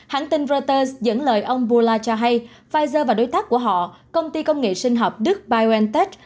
hãng tin reuters dẫn lời ông bula cho hay pfizer và đối tác của họ công ty công nghệ sinh học đức biontech